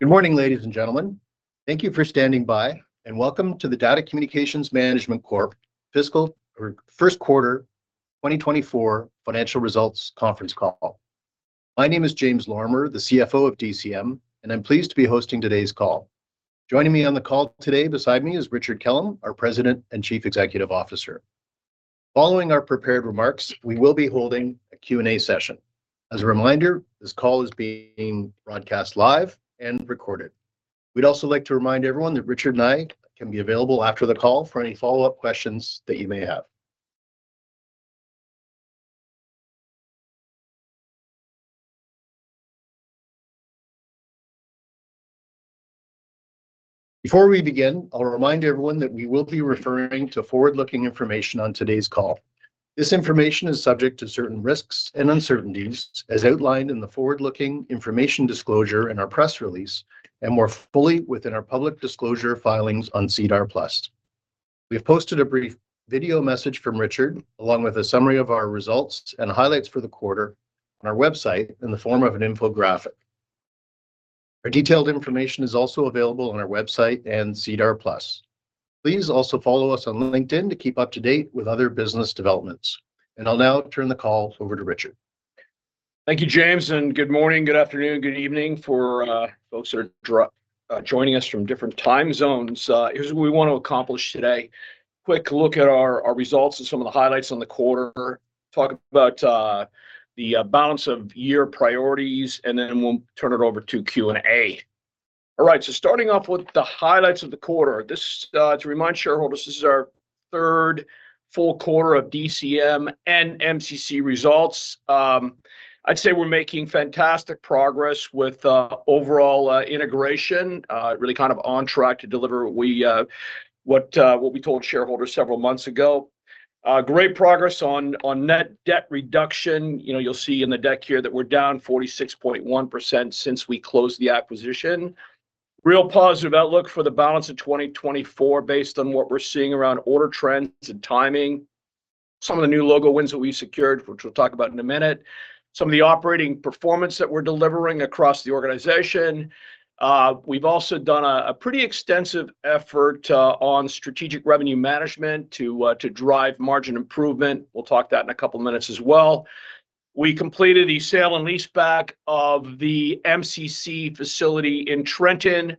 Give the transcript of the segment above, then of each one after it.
Good morning, ladies and gentlemen. Thank you for standing by, and welcome to the DATA Communications Management Corp. Fiscal or First Quarter 2024 Financial Results Conference Call. My name is James Lorimer, the CFO of DCM, and I'm pleased to be hosting today's call. Joining me on the call today beside me is Richard Kellam, our President and Chief Executive Officer. Following our prepared remarks, we will be holding a Q&A session. As a reminder, this call is being broadcast live and recorded. We'd also like to remind everyone that Richard and I can be available after the call for any follow-up questions that you may have. Before we begin, I'll remind everyone that we will be referring to forward-looking information on today's call. This information is subject to certain risks and uncertainties as outlined in the forward-looking information disclosure in our press release and more fully within our public disclosure filings on SEDAR+. We have posted a brief video message from Richard, along with a summary of our results and highlights for the quarter, on our website in the form of an infographic. Our detailed information is also available on our website and SEDAR+. Please also follow us on LinkedIn to keep up to date with other business developments. I'll now turn the call over to Richard. Thank you, James, and good morning, good afternoon, good evening for folks that are joining us from different time zones. Here's what we want to accomplish today: a quick look at our results and some of the highlights on the quarter, talk about the balance of year priorities, and then we'll turn it over to Q&A. All right, so starting off with the highlights of the quarter, to remind shareholders, this is our third full quarter of DCM and MCC results. I'd say we're making fantastic progress with overall integration, really kind of on track to deliver what we told shareholders several months ago. Great progress on net debt reduction. You'll see in the deck here that we're down 46.1% since we closed the acquisition. Real positive outlook for the balance of 2024 based on what we're seeing around order trends and timing. Some of the new logo wins that we secured, which we'll talk about in a minute. Some of the operating performance that we're delivering across the organization. We've also done a pretty extensive effort on Strategic Revenue Management to drive margin improvement. We'll talk that in a couple of minutes as well. We completed the sale and leaseback of the MCC facility in Trenton,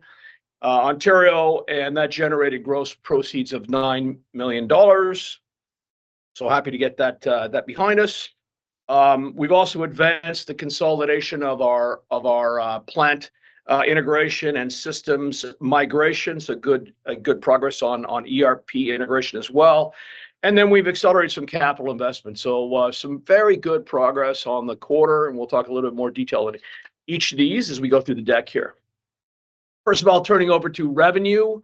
Ontario, and that generated gross proceeds of 9 million dollars. So happy to get that behind us. We've also advanced the consolidation of our plant integration and systems migration, so good progress on ERP integration as well. Then we've accelerated some capital investment, so some very good progress on the quarter, and we'll talk a little bit more detail on each of these as we go through the deck here. First of all, turning over to revenue.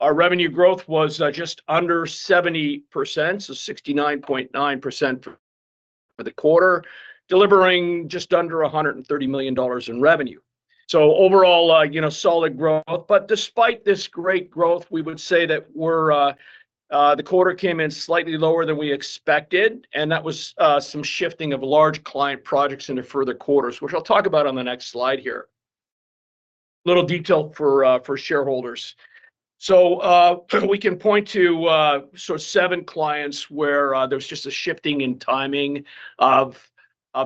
Our revenue growth was just under 70%, so 69.9% for the quarter, delivering just under 130 million dollars in revenue. So overall, solid growth. But despite this great growth, we would say that the quarter came in slightly lower than we expected, and that was some shifting of large client projects into further quarters, which I'll talk about on the next slide here. Little detail for shareholders. So we can point to seven clients where there was just a shifting in timing of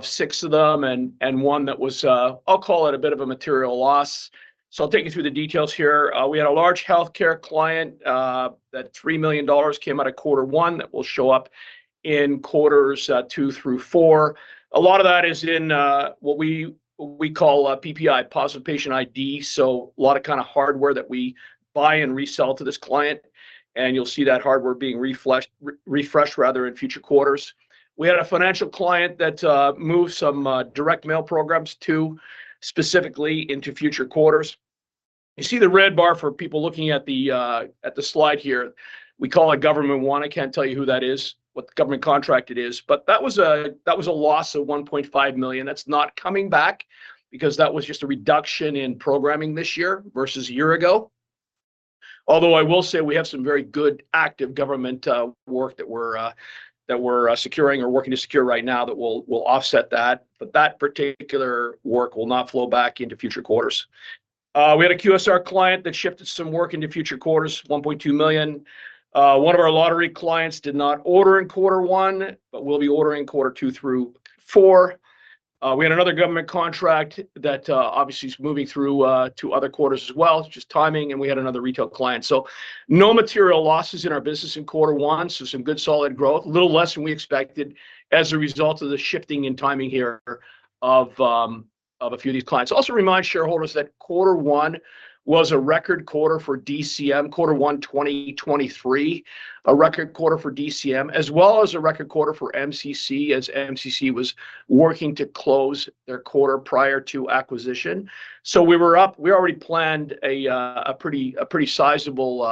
six of them and one that was, I'll call it, a bit of a material loss. So I'll take you through the details here. We had a large healthcare client that 3 million dollars came out of quarter one that will show up in quarters two through four. A lot of that is in what we call PPI, Positive Patient ID, so a lot of kind of hardware that we buy and resell to this client. And you'll see that hardware being refreshed rather in future quarters. We had a financial client that moved some direct mail programs too, specifically into future quarters. You see the red bar for people looking at the slide here. We call it Government One. I can't tell you who that is, what government contract it is. But that was a loss of 1.5 million. That's not coming back because that was just a reduction in programming this year versus a year ago. Although I will say we have some very good active government work that we're securing or working to secure right now that will offset that. But that particular work will not flow back into future quarters. We had a QSR client that shifted some work into future quarters, 1.2 million. One of our lottery clients did not order in quarter one, but will be ordering quarter two through four. We had another government contract that obviously is moving through to other quarters as well, just timing, and we had another retail client. So no material losses in our business in quarter one, so some good solid growth, a little less than we expected as a result of the shifting in timing here of a few of these clients. Also remind shareholders that quarter one was a record quarter for DCM, quarter one 2023, a record quarter for DCM, as well as a record quarter for MCC as MCC was working to close their quarter prior to acquisition. So we were up. We already planned a pretty sizable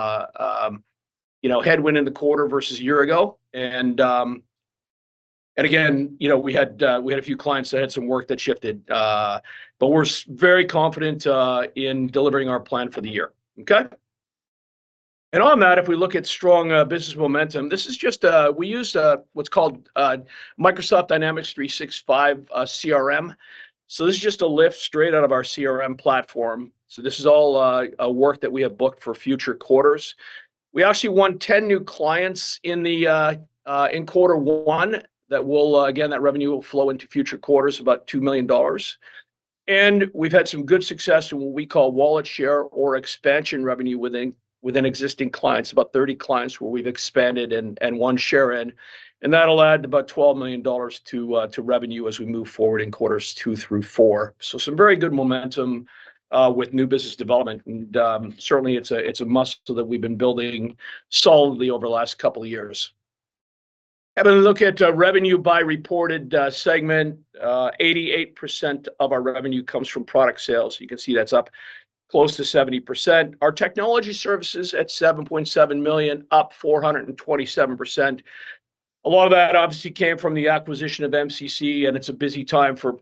headwind in the quarter versus a year ago. And again, we had a few clients that had some work that shifted. But we're very confident in delivering our plan for the year. Okay? And on that, if we look at strong business momentum, this is just we use what's called Microsoft Dynamics 365 CRM. So this is just a lift straight out of our CRM platform. So this is all work that we have booked for future quarters. We actually won 10 new clients in quarter one that will, again, that revenue will flow into future quarters, about 2 million dollars. And we've had some good success in what we call wallet share or expansion revenue within existing clients, about 30 clients where we've expanded and won share in. And that'll add about 12 million dollars to revenue as we move forward in quarters two through four. So some very good momentum with new business development. And certainly, it's a muscle that we've been building solidly over the last couple of years. Having a look at revenue by reported segment, 88% of our revenue comes from product sales. You can see that's up close to 70%. Our technology services at 7.7 million, up 427%. A lot of that obviously came from the acquisition of MCC, and it's a busy time for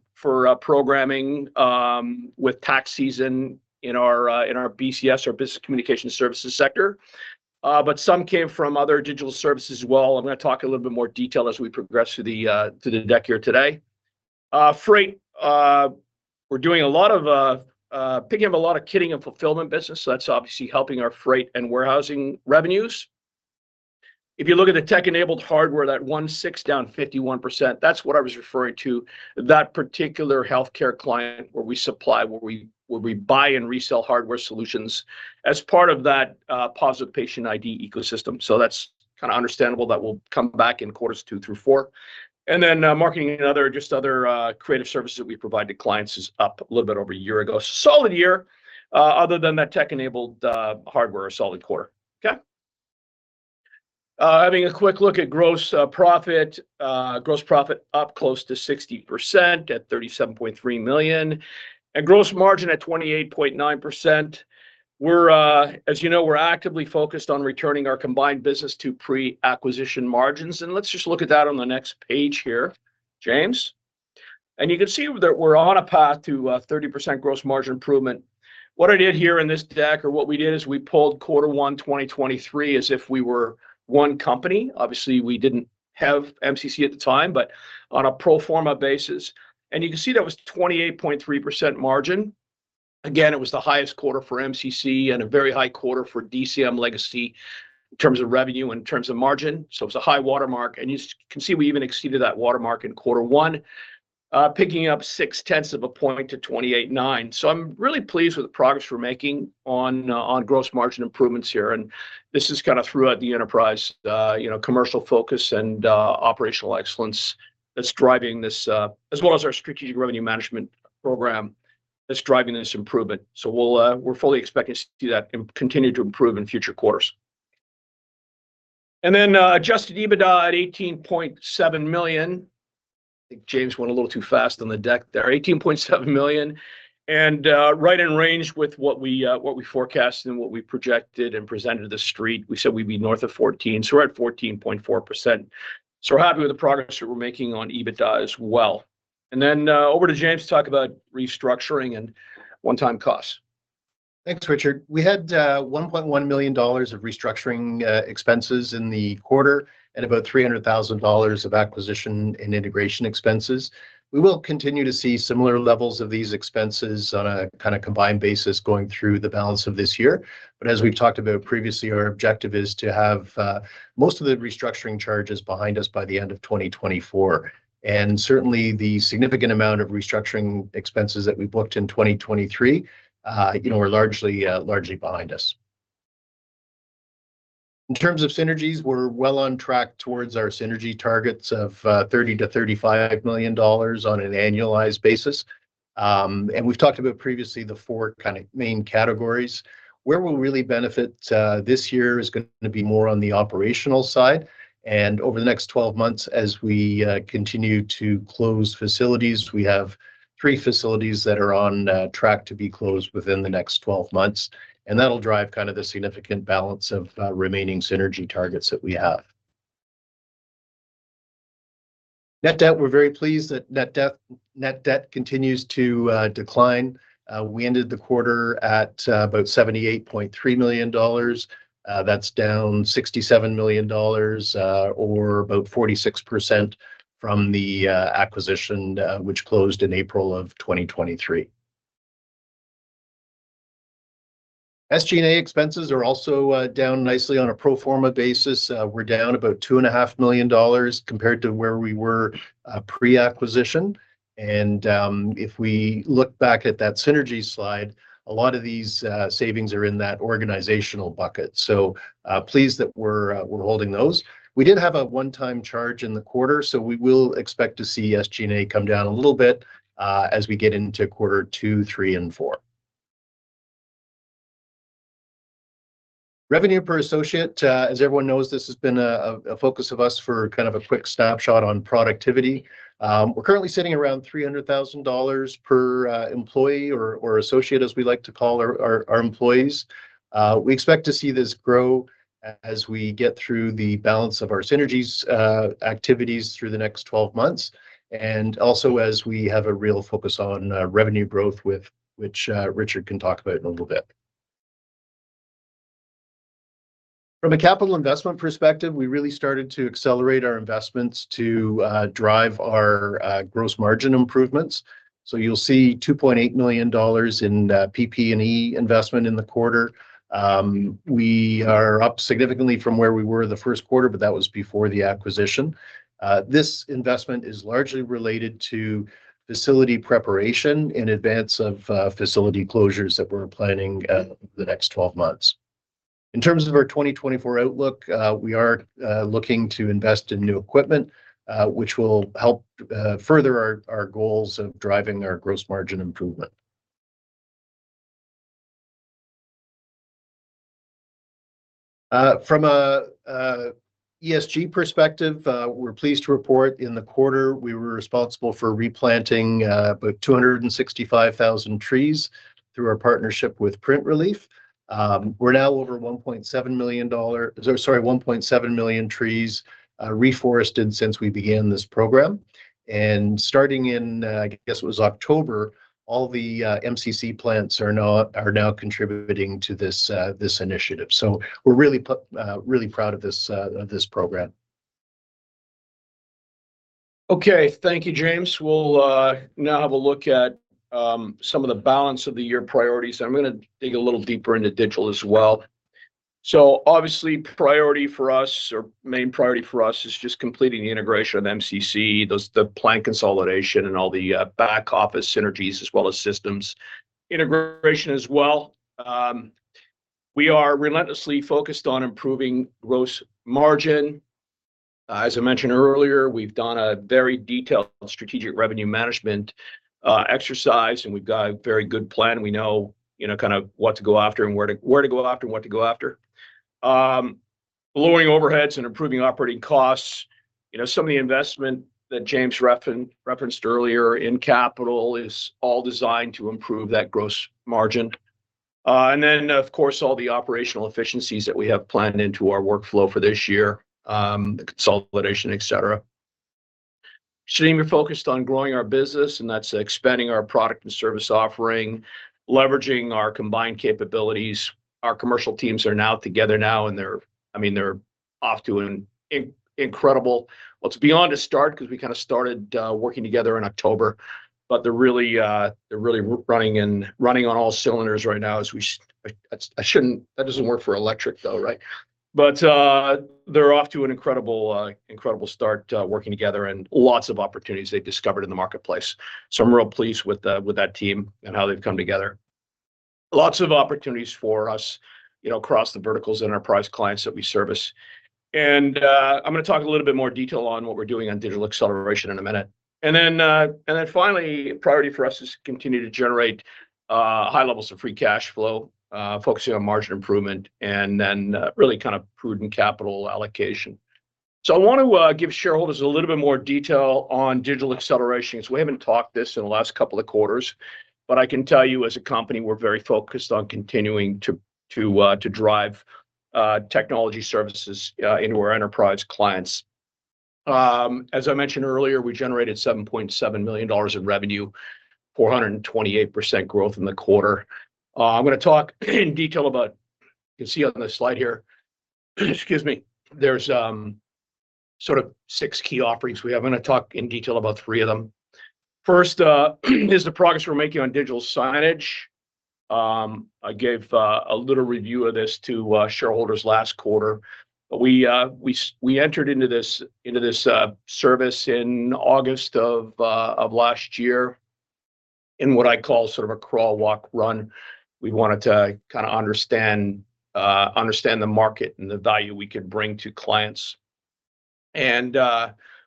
programming with tax season in our BCS, our Business Communication Services sector. But some came from other digital services as well. I'm going to talk in a little bit more detail as we progress through the deck here today. Freight, we're doing a lot of picking up a lot of kitting and fulfillment business. So that's obviously helping our freight and warehousing revenues. If you look at the tech-enabled hardware, that 1.6 down 51%, that's what I was referring to, that particular healthcare client where we supply, where we buy and resell hardware solutions as part of that Positive Patient ID ecosystem. So that's kind of understandable that will come back in quarters two through four. And then marketing and just other creative services that we provide to clients is up a little bit over a year ago. Solid year other than that tech-enabled hardware a solid quarter. Okay? Having a quick look at gross profit, gross profit up close to 60% at 37.3 million and gross margin at 28.9%. As you know, we're actively focused on returning our combined business to pre-acquisition margins. And let's just look at that on the next page here, James. And you can see that we're on a path to 30% gross margin improvement. What I did here in this deck or what we did is we pulled quarter 1 2023 as if we were one company. Obviously, we didn't have MCC at the time, but on a pro forma basis. And you can see that was 28.3% margin. Again, it was the highest quarter for MCC and a very high quarter for DCM legacy in terms of revenue and in terms of margin. So it was a high watermark. And you can see we even exceeded that watermark in quarter 1, picking up 0.6 of a point to 28.9%. So I'm really pleased with the progress we're making on gross margin improvements here. And this is kind of throughout the enterprise, commercial focus and operational excellence that's driving this, as well as our strategic revenue management program that's driving this improvement. So we're fully expecting to see that continue to improve in future quarters. And then adjusted EBITDA at 18.7 million. I think James went a little too fast on the deck there, 18.7 million. And right in range with what we forecast and what we projected and presented to the street. We said we'd be north of 14. So we're at 14.4%. So we're happy with the progress that we're making on EBITDA as well. And then over to James to talk about restructuring and one-time costs. Thanks, Richard. We had 1.1 million dollars of restructuring expenses in the quarter and about 300,000 dollars of acquisition and integration expenses. We will continue to see similar levels of these expenses on a kind of combined basis going through the balance of this year. But as we've talked about previously, our objective is to have most of the restructuring charges behind us by the end of 2024. And certainly, the significant amount of restructuring expenses that we booked in 2023 are largely behind us. In terms of synergies, we're well on track towards our synergy targets of 30 million-35 million dollars on an annualized basis. And we've talked about previously the four kind of main categories. Where we'll really benefit this year is going to be more on the operational side. Over the next 12 months, as we continue to close facilities, we have 3 facilities that are on track to be closed within the next 12 months. That'll drive kind of the significant balance of remaining synergy targets that we have. Net debt, we're very pleased that net debt continues to decline. We ended the quarter at about 78.3 million dollars. That's down 67 million dollars or about 46% from the acquisition, which closed in April of 2023. SG&A expenses are also down nicely on a pro forma basis. We're down about 2.5 million dollars compared to where we were pre-acquisition. If we look back at that synergy slide, a lot of these savings are in that organizational bucket. So pleased that we're holding those. We did have a one-time charge in the quarter, so we will expect to see SG&A come down a little bit as we get into quarter two, three, and four. Revenue per associate, as everyone knows, this has been a focus of us for kind of a quick snapshot on productivity. We're currently sitting around 300,000 dollars per employee or associate, as we like to call our employees. We expect to see this grow as we get through the balance of our synergy activities through the next 12 months and also as we have a real focus on revenue growth, which Richard can talk about in a little bit. From a capital investment perspective, we really started to accelerate our investments to drive our gross margin improvements. So you'll see 2.8 million dollars in PP&E investment in the quarter. We are up significantly from where we were the first quarter, but that was before the acquisition. This investment is largely related to facility preparation in advance of facility closures that we're planning over the next 12 months. In terms of our 2024 outlook, we are looking to invest in new equipment, which will help further our goals of driving our gross margin improvement. From an ESG perspective, we're pleased to report in the quarter, we were responsible for replanting about 265,000 trees through our partnership with PrintReleaf. We're now over $1.7 million sorry, $1.7 million trees reforested since we began this program. And starting in, I guess it was October, all the MCC plants are now contributing to this initiative. So we're really proud of this program. Okay. Thank you, James. We'll now have a look at some of the balance of the year priorities. I'm going to dig a little deeper into digital as well. Obviously, priority for us or main priority for us is just completing the integration of MCC, the plan consolidation, and all the back-office synergies as well as systems integration as well. We are relentlessly focused on improving gross margin. As I mentioned earlier, we've done a very detailed Strategic Revenue Management exercise, and we've got a very good plan. We know kind of what to go after and where to go after and what to go after. Lowering overheads and improving operating costs. Some of the investment that James referenced earlier in capital is all designed to improve that gross margin. And then, of course, all the operational efficiencies that we have planned into our workflow for this year, the consolidation, etc. Shouldn't be focused on growing our business, and that's expanding our product and service offering, leveraging our combined capabilities. Our commercial teams are now together now, and I mean, they're off to an incredible well, it's beyond a start because we kind of started working together in October. But they're really running on all cylinders right now as we that doesn't work for electric, though, right? But they're off to an incredible start working together and lots of opportunities they've discovered in the marketplace. So I'm real pleased with that team and how they've come together. Lots of opportunities for us across the verticals, enterprise clients that we service. And I'm going to talk a little bit more detail on what we're doing on digital acceleration in a minute. Then finally, priority for us is to continue to generate high levels of free cash flow, focusing on margin improvement, and then really kind of prudent capital allocation. So I want to give shareholders a little bit more detail on digital acceleration because we haven't talked this in the last couple of quarters. But I can tell you, as a company, we're very focused on continuing to drive technology services into our enterprise clients. As I mentioned earlier, we generated 7.7 million dollars in revenue, 428% growth in the quarter. I'm going to talk in detail about you can see on the slide here excuse me, there's sort of six key offerings we have. I'm going to talk in detail about three of them. First is the progress we're making on digital signage. I gave a little review of this to shareholders last quarter. But we entered into this service in August of last year in what I call sort of a crawl, walk, run. We wanted to kind of understand the market and the value we could bring to clients. And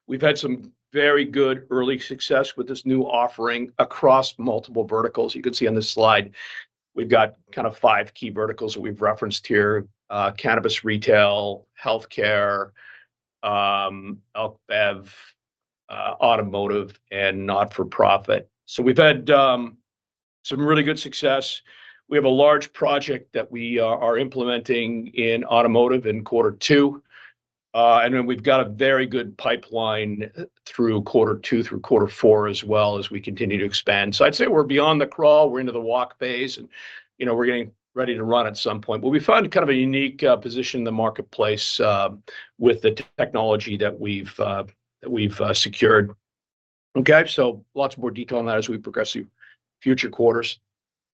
we've had some very good early success with this new offering across multiple verticals. You can see on this slide, we've got kind of five key verticals that we've referenced here: cannabis retail, healthcare, automotive, and not-for-profit. So we've had some really good success. We have a large project that we are implementing in automotive in quarter two. And then we've got a very good pipeline through quarter two, through quarter four as well as we continue to expand. So I'd say we're beyond the crawl. We're into the walk phase. And we're getting ready to run at some point. But we found kind of a unique position in the marketplace with the technology that we've secured. Okay? So lots more detail on that as we progress through future quarters.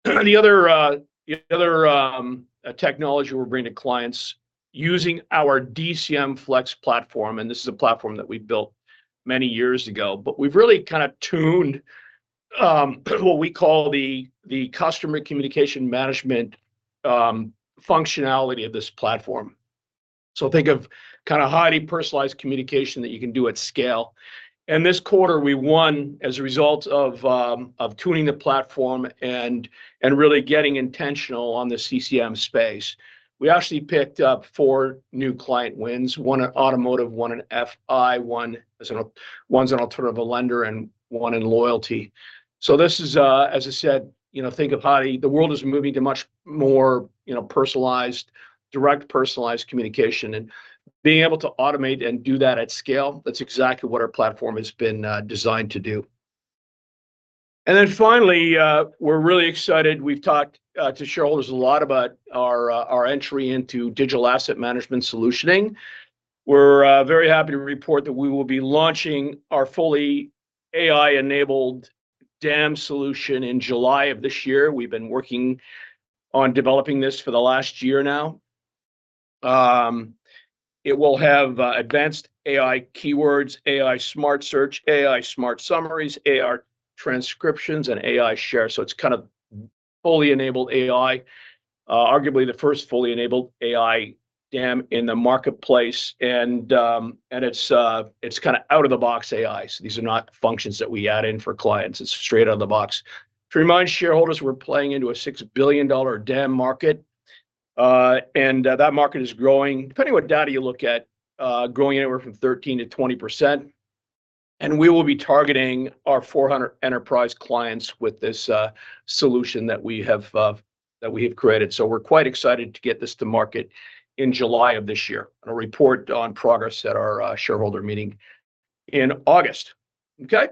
The other technology we're bringing to clients using our DCM Flex platform, and this is a platform that we built many years ago. But we've really kind of tuned what we call the customer communication management functionality of this platform. So think of kind of highly personalized communication that you can do at scale. And this quarter, we won as a result of tuning the platform and really getting intentional on the CCM space. We actually picked up four new client wins: one in automotive, one in FI, one as an alternative lender, and one in loyalty. So this is, as I said, think of how the world is moving to much more direct personalized communication. Being able to automate and do that at scale, that's exactly what our platform has been designed to do. Then finally, we're really excited. We've talked to shareholders a lot about our entry into digital asset management solutioning. We're very happy to report that we will be launching our fully AI-enabled DAM solution in July of this year. We've been working on developing this for the last year now. It will have advanced AI keywords, AI smart search, AI smart summaries, AI transcriptions, and AI share. So it's kind of fully enabled AI, arguably the first fully enabled AI DAM in the marketplace. And it's kind of out-of-the-box AI. So these are not functions that we add in for clients. It's straight out of the box. To remind shareholders, we're playing into a $6 billion DAM market. That market is growing, depending on what data you look at, growing anywhere from 13%-20%. We will be targeting our 400 enterprise clients with this solution that we have created. So we're quite excited to get this to market in July of this year and report on progress at our shareholder meeting in August. Okay?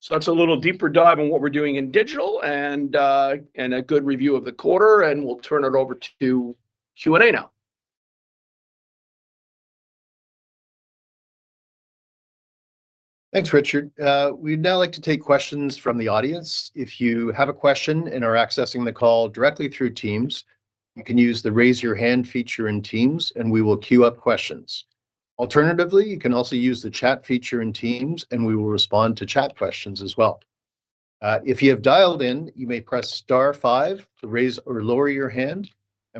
So that's a little deeper dive on what we're doing in digital and a good review of the quarter. We'll turn it over to Q&A now. Thanks, Richard. We'd now like to take questions from the audience. If you have a question and are accessing the call directly through Teams, you can use the raise your hand feature in Teams, and we will queue up questions. Alternatively, you can also use the chat feature in Teams, and we will respond to chat questions as well. If you have dialed in, you may press star five to raise or lower your hand.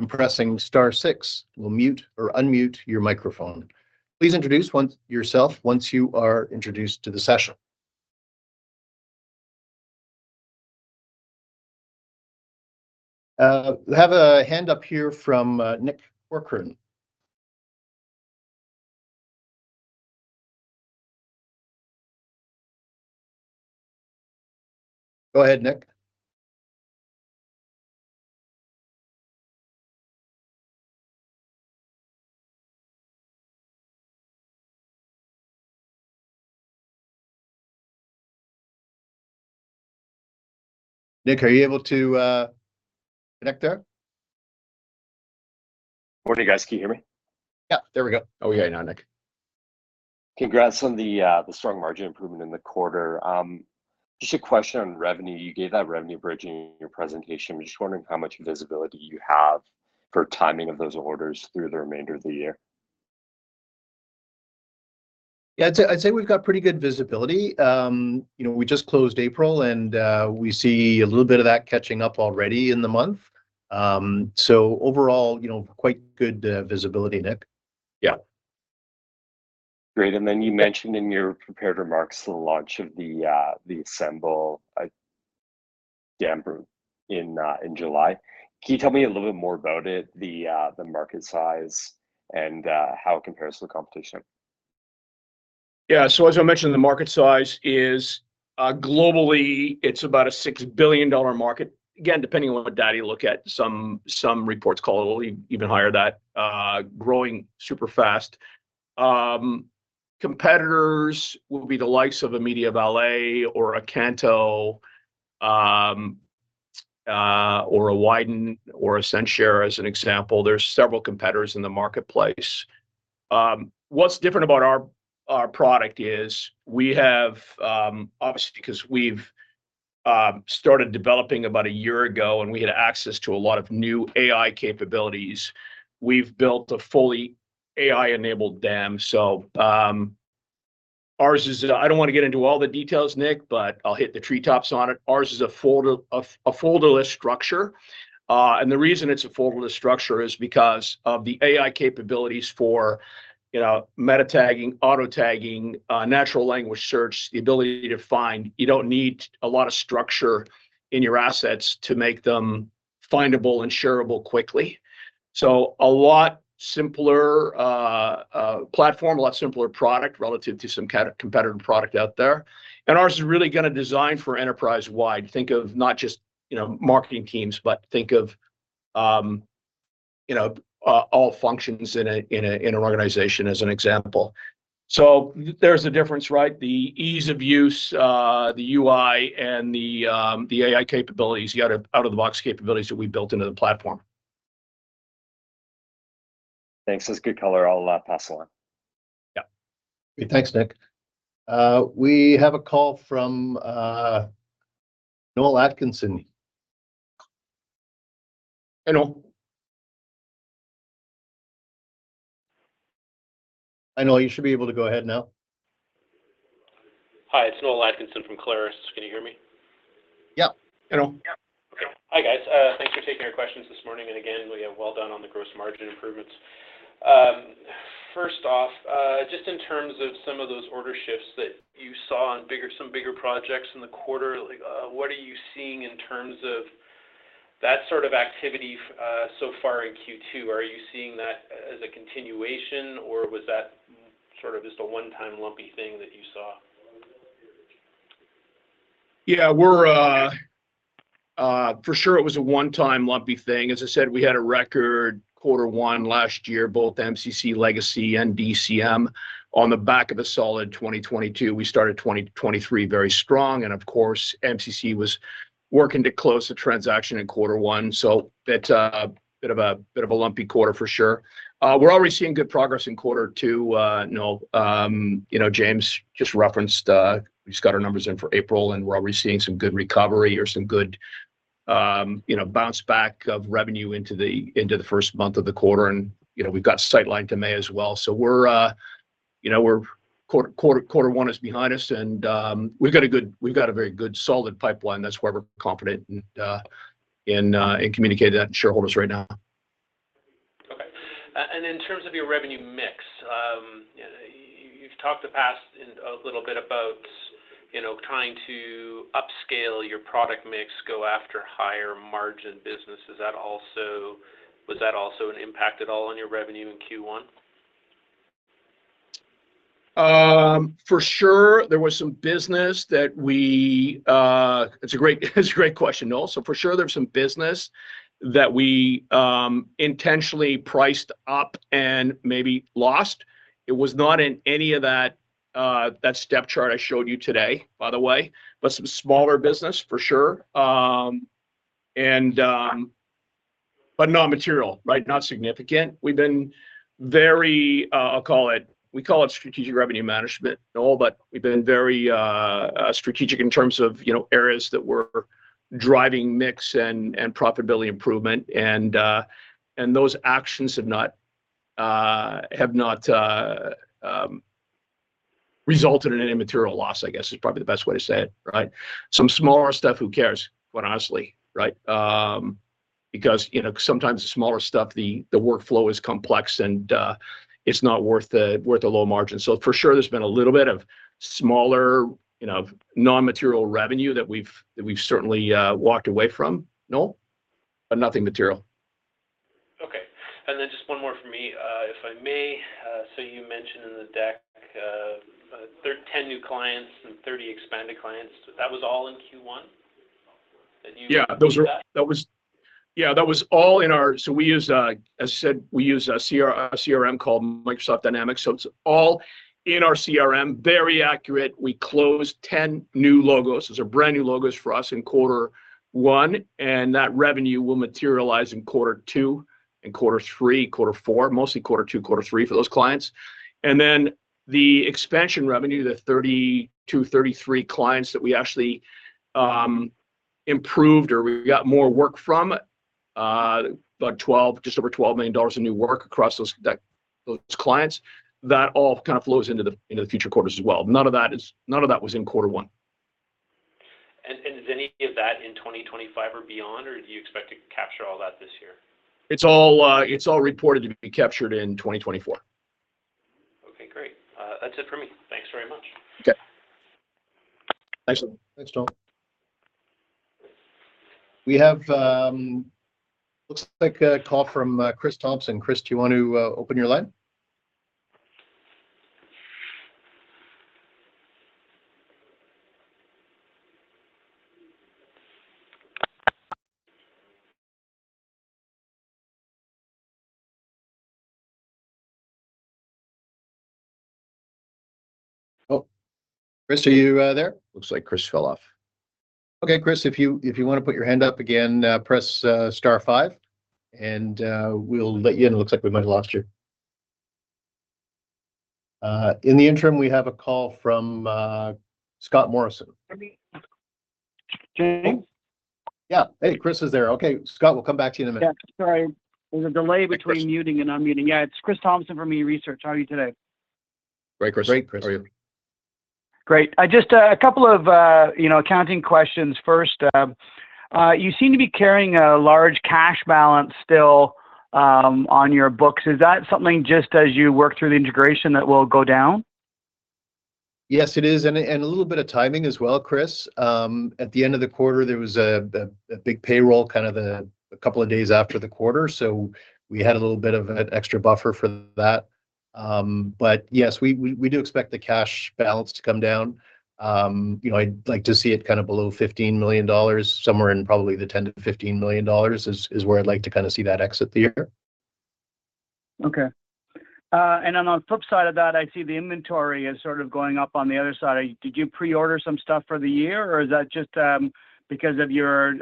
Pressing star six will mute or unmute your microphone. Please introduce yourself once you are introduced to the session. We have a hand up here from Nick Corcoran. Go ahead, Nick. Nick, are you able to connect there? What are you guys? Can you hear me? Yeah, there we go. Oh, we got you now, Nick. Congrats on the strong margin improvement in the quarter. Just a question on revenue. You gave that revenue bridging in your presentation. I'm just wondering how much visibility you have for timing of those orders through the remainder of the year. Yeah, I'd say we've got pretty good visibility. We just closed April, and we see a little bit of that catching up already in the month. So overall, quite good visibility, Nick. Yeah. Great. And then you mentioned in your prepared remarks the launch of the ASMBL DAM group in July. Can you tell me a little bit more about it, the market size, and how it compares to the competition? Yeah. So as I mentioned, the market size is globally, it's about a $6 billion market. Again, depending on what data you look at, some reports call it even higher than that, growing super fast. Competitors would be the likes of a MediaValet or Canto or a Widen or a censhare, as an example. There's several competitors in the marketplace. What's different about our product is we have obviously, because we've started developing about a year ago, and we had access to a lot of new AI capabilities, we've built a fully AI-enabled DAM. So I don't want to get into all the details, Nick, but I'll hit the treetops on it. Ours is a folder-less structure. The reason it's a folder-less structure is because of the AI capabilities for meta-tagging, auto-tagging, natural language search. The ability to find—you don't need a lot of structure in your assets to make them findable and shareable quickly. So a lot simpler platform, a lot simpler product relative to some competitor product out there. And ours is really going to design for enterprise-wide. Think of not just marketing teams, but think of all functions in an organization, as an example. So there's a difference, right? The ease of use, the UI, and the AI capabilities, out-of-the-box capabilities that we built into the platform. Thanks. That's good color. I'll pass along. Yeah. Great. Thanks, Nick. We have a call from Noel Atkinson. Hey, Noel. I know. You should be able to go ahead now. Hi. It's Noel Atkinson from Clarus. Can you hear me? Yeah. Yeah. Okay. Hi, guys. Thanks for taking our questions this morning. And again, we have well done on the gross margin improvements. First off, just in terms of some of those order shifts that you saw on some bigger projects in the quarter, what are you seeing in terms of that sort of activity so far in Q2? Are you seeing that as a continuation, or was that sort of just a one-time lumpy thing that you saw? Yeah. For sure, it was a one-time lumpy thing. As I said, we had a record quarter one last year, both MCC legacy and DCM, on the back of a solid 2022. We started 2023 very strong. Of course, MCC was working to close the transaction in quarter one. So a bit of a lumpy quarter, for sure. We're already seeing good progress in quarter two. Noel, James just referenced we've got our numbers in for April, and we're already seeing some good recovery or some good bounce back of revenue into the first month of the quarter. We've got sightline to May as well. So quarter one is behind us, and we've got a very good solid pipeline. That's where we're confident in communicating that to shareholders right now. Okay. And in terms of your revenue mix, you've talked in the past a little bit about trying to upscale your product mix, go after higher margin business. Was that also an impact at all on your revenue in Q1? For sure, there was some business that we, it's a great question, Noel. So for sure, there was some business that we intentionally priced up and maybe lost. It was not in any of that step chart I showed you today, by the way, but some smaller business, for sure, but non-material, right? Not significant. We've been very, I'll call it, we call it Strategic Revenue Management, Noel, but we've been very strategic in terms of areas that were driving mix and profitability improvement. And those actions have not resulted in any material loss, I guess, is probably the best way to say it, right? Some smaller stuff, who cares, quite honestly, right? Because sometimes the smaller stuff, the workflow is complex, and it's not worth a low margin. So for sure, there's been a little bit of smaller non-material revenue that we've certainly walked away from, Noel, but nothing material. Okay. And then just one more for me, if I may. So you mentioned in the deck 10 new clients and 30 expanded clients. That was all in Q1 that you? Yeah. Yeah. That was all in our so as I said, we use a CRM called Microsoft Dynamics. So it's all in our CRM, very accurate. We closed 10 new logos. Those are brand new logos for us in quarter one. And that revenue will materialize in quarter two, in quarter three, quarter four, mostly quarter two, quarter three for those clients. And then the expansion revenue, the 32, 33 clients that we actually improved or we got more work from, about just over 12 million dollars in new work across those clients, that all kind of flows into the future quarters as well. None of that was in quarter one. Is any of that in 2025 or beyond, or do you expect to capture all that this year? It's all reported to be captured in 2024. Okay. Great. That's it for me. Thanks very much. Okay. Thanks, Noel. Thanks, Noel. We have, looks like, a call from Chris Thompson. Chris, do you want to open your line? Oh. Chris, are you there? Looks like Chris fell off. Okay, Chris, if you want to put your hand up again, press star five, and we'll let you in. It looks like we might have lost you. In the interim, we have a call from Scott Morrison. James? Yeah. Hey, Chris is there. Okay, Scott, we'll come back to you in a minute. Yeah. Sorry. There's a delay between muting and unmuting. Yeah, it's Chris Thompson from eResearch Corp. How are you today? Great, Chris. How are you? Great. Just a couple of accounting questions first. You seem to be carrying a large cash balance still on your books. Is that something just as you work through the integration that will go down? Yes, it is. And a little bit of timing as well, Chris. At the end of the quarter, there was a big payroll kind of a couple of days after the quarter. So we had a little bit of an extra buffer for that. But yes, we do expect the cash balance to come down. I'd like to see it kind of below 15 million dollars, somewhere in probably the 10 million-15 million dollars is where I'd like to kind of see that exit the year. Okay. On the flip side of that, I see the inventory is sort of going up on the other side. Did you pre-order some stuff for the year, or is that just because of your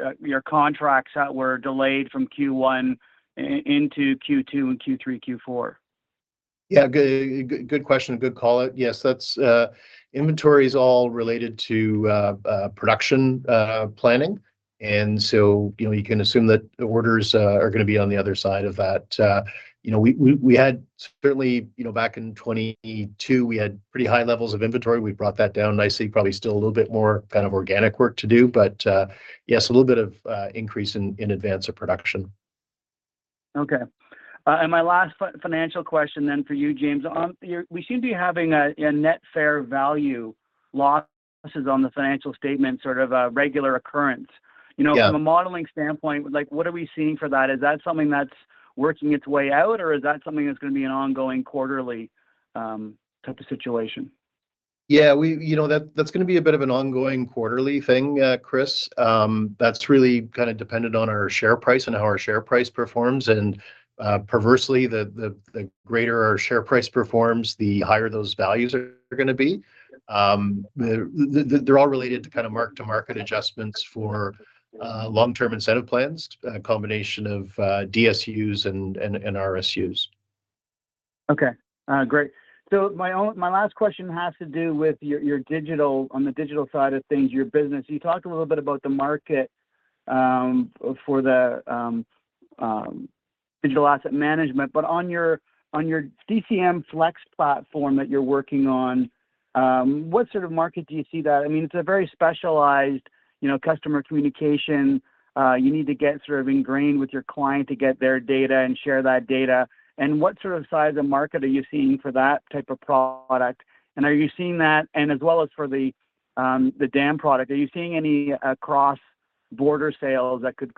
contracts that were delayed from Q1 into Q2 and Q3, Q4? Yeah. Good question. Good call out. Yes. Inventory is all related to production planning. And so you can assume that orders are going to be on the other side of that. We had certainly back in 2022, we had pretty high levels of inventory. We brought that down nicely. Probably still a little bit more kind of organic work to do. But yes, a little bit of increase in advance of production. Okay. And my last financial question then for you, James. We seem to be having a net fair value losses on the financial statements, sort of a regular occurrence. From a modeling standpoint, what are we seeing for that? Is that something that's working its way out, or is that something that's going to be an ongoing quarterly type of situation? Yeah. That's going to be a bit of an ongoing quarterly thing, Chris. That's really kind of dependent on our share price and how our share price performs. And perversely, the greater our share price performs, the higher those values are going to be. They're all related to kind of mark-to-market adjustments for long-term incentive plans, a combination of DSUs and RSUs. Okay. Great. So my last question has to do with on the digital side of things, your business. You talked a little bit about the market for the digital asset management. But on your DCM Flex platform that you're working on, what sort of market do you see that? I mean, it's a very specialized customer communication. You need to get sort of ingrained with your client to get their data and share that data. And what sort of size of market are you seeing for that type of product? And are you seeing that and as well as for the DAM product, are you seeing any cross-border sales that could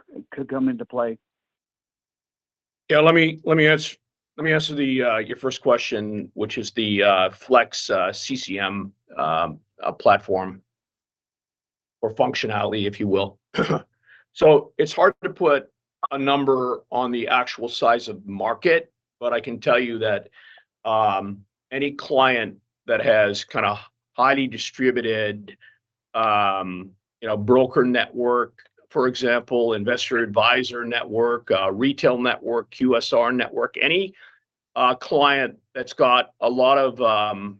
come into play? Yeah. Let me answer your first question, which is the Flex CCM platform or functionality, if you will. So it's hard to put a number on the actual size of the market, but I can tell you that any client that has kind of highly distributed broker network, for example, investor advisor network, retail network, QSR network, any client that's got a lot of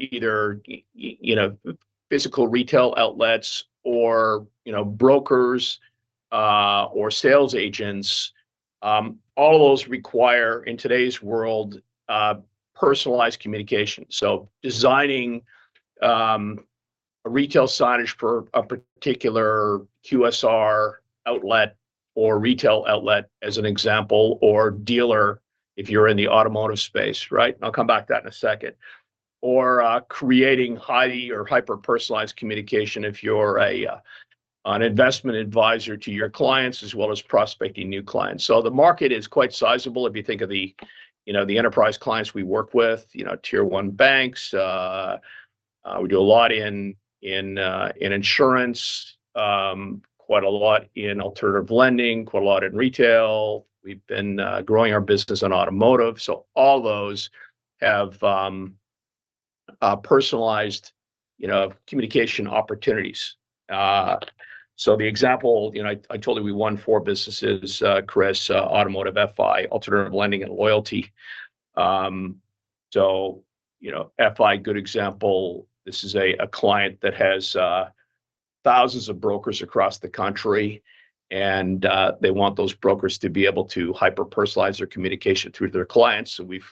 either physical retail outlets or brokers or sales agents, all of those require, in today's world, personalized communication. So designing a retail signage for a particular QSR outlet or retail outlet, as an example, or dealer, if you're in the automotive space, right? I'll come back to that in a second, or creating highly or hyper-personalized communication if you're an investment advisor to your clients as well as prospecting new clients. So the market is quite sizable if you think of the enterprise clients we work with, tier one banks. We do a lot in insurance, quite a lot in alternative lending, quite a lot in retail. We've been growing our business in automotive. So all those have personalized communication opportunities. So the example, I told you we won four businesses, Chris, automotive, FI, alternative lending, and loyalty. So FI, good example. This is a client that has thousands of brokers across the country, and they want those brokers to be able to hyper-personalize their communication through their clients. So we've,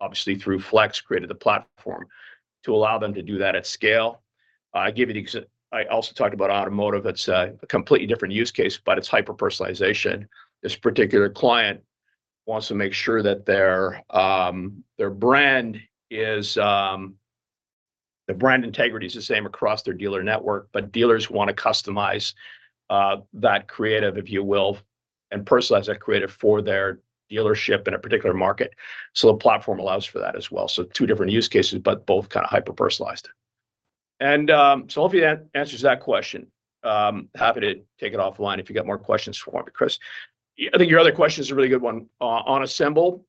obviously, through Flex, created the platform to allow them to do that at scale. I also talked about automotive. It's a completely different use case, but it's hyper-personalization. This particular client wants to make sure that their brand integrity is the same across their dealer network, but dealers want to customize that creative, if you will, and personalize that creative for their dealership in a particular market. So the platform allows for that as well. So two different use cases, but both kind of hyper-personalized. And so hopefully, that answers that question. Happy to take it offline if you've got more questions for me, Chris. I think your other question is a really good one. On ASMBL,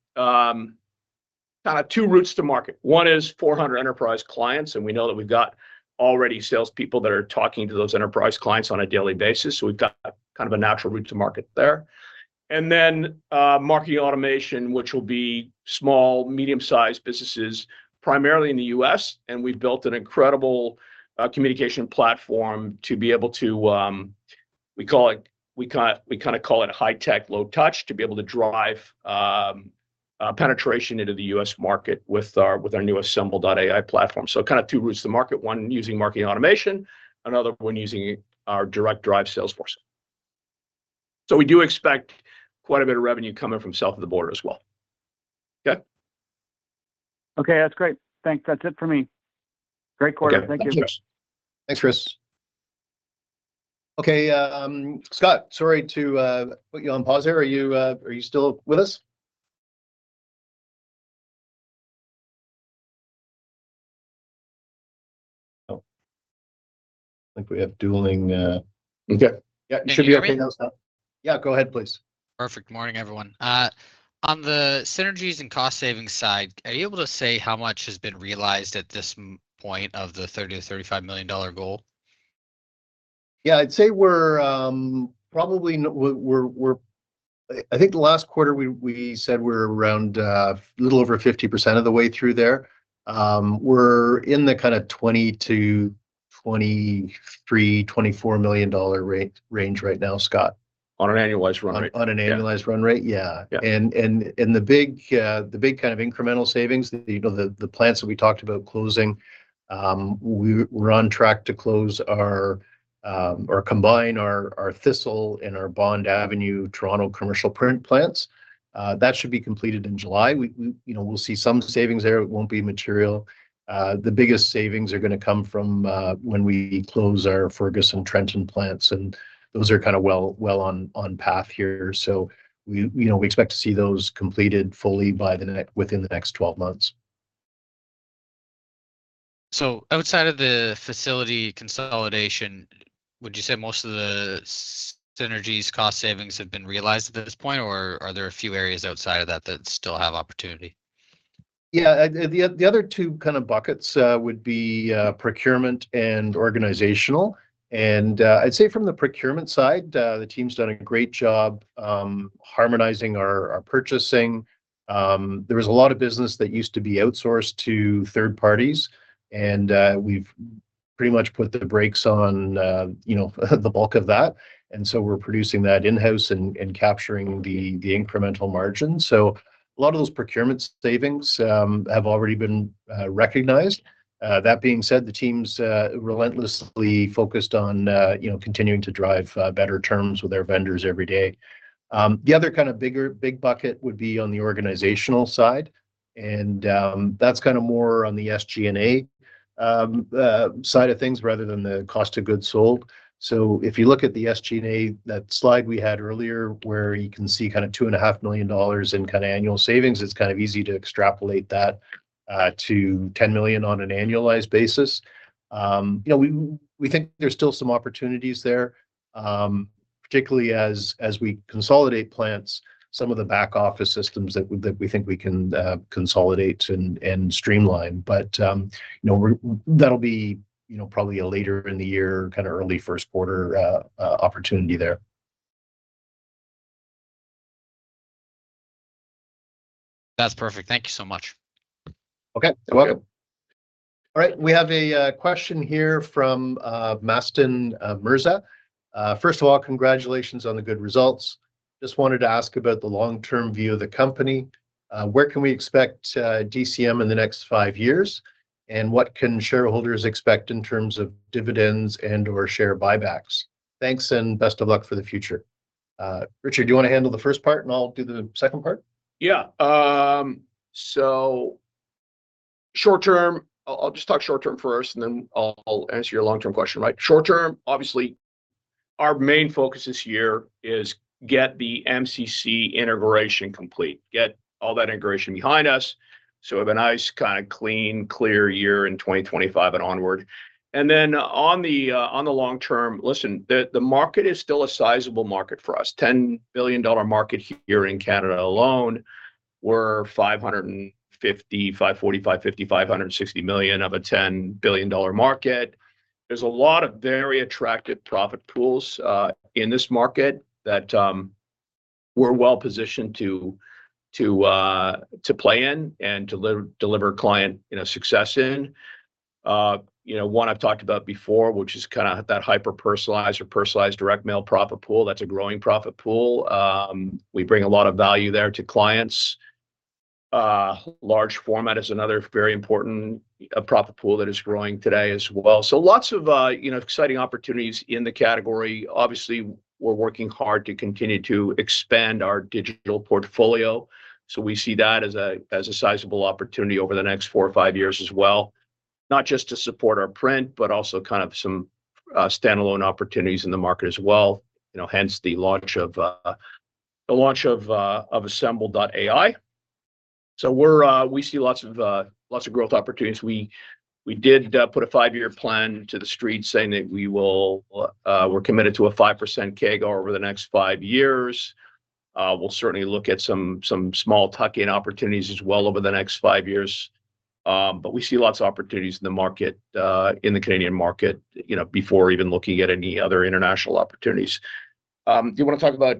kind of two routes to market. One is 400 enterprise clients, and we know that we've got already salespeople that are talking to those enterprise clients on a daily basis. So we've got kind of a natural route to market there. And then marketing automation, which will be small, medium-sized businesses, primarily in the U.S. We've built an incredible communication platform to be able to, we kind of call it high-tech, low-touch, to be able to drive penetration into the U.S. market with our new ASMBL AI platform. Kind of two routes to market. One using marketing automation, another one using our direct drive Salesforce. We do expect quite a bit of revenue coming from south of the border as well. Okay? Okay. That's great. Thanks. That's it for me. Great quarter. Thank you. Yeah. Thanks, Chris. Thanks, Chris. Okay. Scott, sorry to put you on pause here. Are you still with us? Oh. I think we have dueling. Okay. Yeah. It should be okay now, Scott. Everybody? Yeah. Go ahead, please. Perfect. Morning, everyone. On the synergies and cost-saving side, are you able to say how much has been realized at this point of the 30 million-35 million dollar goal? Yeah. I'd say we're probably I think the last quarter, we said we're around a little over 50% of the way through there. We're in the kind of 20-23, 24 million range right now, Scott. On an annualized run rate? On an annualized run rate. Yeah. And the big kind of incremental savings, the plants that we talked about closing, we're on track to close or combine our Thistle and our Bond Avenue, Toronto commercial print plants. That should be completed in July. We'll see some savings there. It won't be material. The biggest savings are going to come from when we close our Fergus, Trenton plants. And those are kind of well on path here. So we expect to see those completed fully within the next 12 months. Outside of the facility consolidation, would you say most of the synergies cost savings have been realized at this point, or are there a few areas outside of that that still have opportunity? Yeah. The other two kind of buckets would be procurement and organizational. And I'd say from the procurement side, the team's done a great job harmonizing our purchasing. There was a lot of business that used to be outsourced to third parties, and we've pretty much put the brakes on the bulk of that. And so we're producing that in-house and capturing the incremental margins. So a lot of those procurement savings have already been recognized. That being said, the team's relentlessly focused on continuing to drive better terms with their vendors every day. The other kind of big bucket would be on the organizational side. And that's kind of more on the SG&A side of things rather than the cost of goods sold. So if you look at the SG&A, that slide we had earlier where you can see kind of 2.5 million dollars in kind of annual savings, it's kind of easy to extrapolate that to 10 million on an annualized basis. We think there's still some opportunities there, particularly as we consolidate plants, some of the back-office systems that we think we can consolidate and streamline. But that'll be probably a later in the year, kind of early first quarter opportunity there. That's perfect. Thank you so much. Okay. You're welcome. All right. We have a question here from Maston Mirza. First of all, congratulations on the good results. Just wanted to ask about the long-term view of the company. Where can we expect DCM in the next five years? And what can shareholders expect in terms of dividends and/or share buybacks? Thanks, and best of luck for the future. Richard, do you want to handle the first part, and I'll do the second part? Yeah. So I'll just talk short-term first, and then I'll answer your long-term question, right? Short-term, obviously, our main focus this year is get the MCC integration complete, get all that integration behind us so we have a nice, kind of clean, clear year in 2025 and onward. And then on the long-term, listen, the market is still a sizable market for us. CAD 10 billion market here in Canada alone, we're 550, 540, 550, 560 million of a CAD 10 billion market. There's a lot of very attractive profit pools in this market that we're well positioned to play in and to deliver client success in. One, I've talked about before, which is kind of that hyper-personalized or personalized direct mail profit pool. That's a growing profit pool. We bring a lot of value there to clients. Large format is another very important profit pool that is growing today as well. So lots of exciting opportunities in the category. Obviously, we're working hard to continue to expand our digital portfolio. So we see that as a sizable opportunity over the next 4 or 5 years as well, not just to support our print, but also kind of some standalone opportunities in the market as well, hence the launch of ASMBL AI. So we see lots of growth opportunities. We did put a 5-year plan to the street saying that we're committed to a 5% CAGR over the next 5 years. We'll certainly look at some small tuck-in opportunities as well over the next 5 years. But we see lots of opportunities in the Canadian market before even looking at any other international opportunities. Do you want to talk about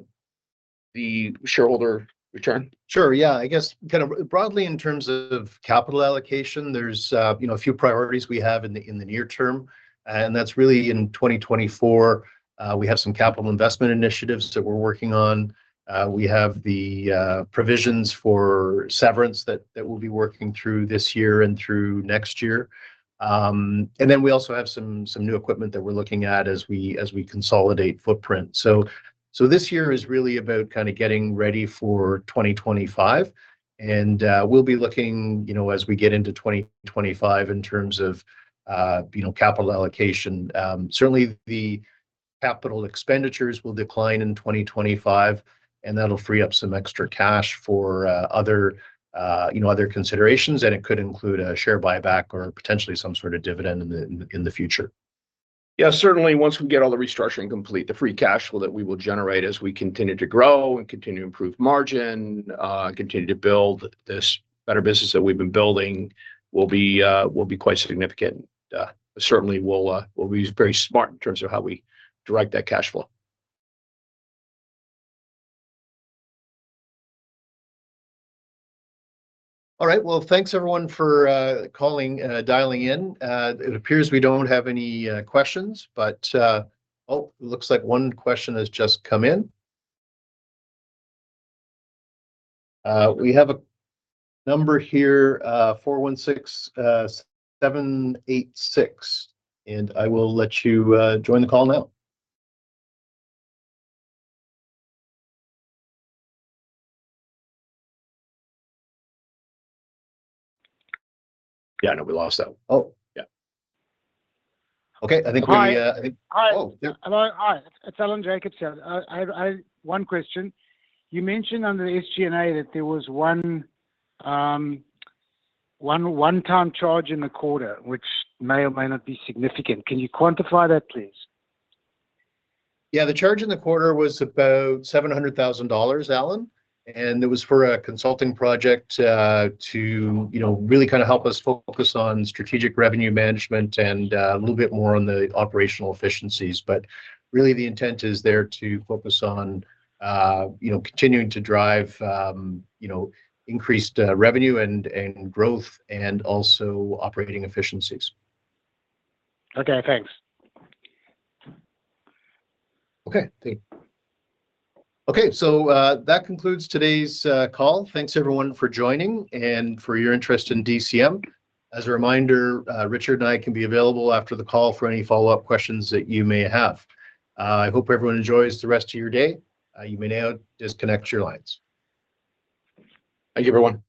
the shareholder return? Sure. Yeah. I guess kind of broadly, in terms of capital allocation, there's a few priorities we have in the near term. And that's really in 2024. We have some capital investment initiatives that we're working on. We have the provisions for severance that we'll be working through this year and through next year. And then we also have some new equipment that we're looking at as we consolidate footprint. So this year is really about kind of getting ready for 2025. And we'll be looking as we get into 2025 in terms of capital allocation. Certainly, the capital expenditures will decline in 2025, and that'll free up some extra cash for other considerations. And it could include a share buyback or potentially some sort of dividend in the future. Yeah. Certainly, once we get all the restructuring complete, the free cash that we will generate as we continue to grow and continue to improve margin and continue to build this better business that we've been building will be quite significant. Certainly, we'll be very smart in terms of how we direct that cash flow. All right. Well, thanks, everyone, for dialing in. It appears we don't have any questions, but oh, it looks like one question has just come in. We have a number here, 416-786. And I will let you join the call now. Yeah. I know we lost that one. Oh. Yeah. Okay. I think we. Hi. Hi. Hi. It's Alan Jacobs here. One question. You mentioned on the SG&A that there was one-time charge in the quarter, which may or may not be significant. Can you quantify that, please? Yeah. The charge in the quarter was about 700,000 dollars, Alan. It was for a consulting project to really kind of help us focus on strategic revenue management and a little bit more on the operational efficiencies. But really, the intent is there to focus on continuing to drive increased revenue and growth and also operating efficiencies. Okay. Thanks. Okay. Thank you. Okay. That concludes today's call. Thanks, everyone, for joining and for your interest in DCM. As a reminder, Richard and I can be available after the call for any follow-up questions that you may have. I hope everyone enjoys the rest of your day. You may now disconnect your lines. Thank you, everyone.